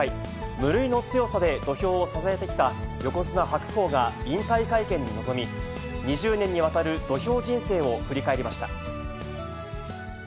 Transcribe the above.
無類の強さで土俵を支えてきた横綱・白鵬が引退会見に臨み、２０年にわたる土俵人生を振り返りました。